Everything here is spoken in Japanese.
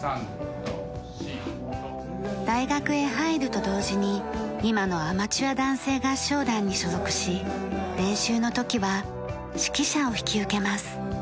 大学へ入ると同時に今のアマチュア男声合唱団に所属し練習の時は指揮者を引き受けます。